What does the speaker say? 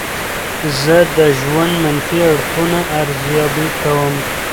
زه د ژوند منفي اړخونه ارزیابي کوم.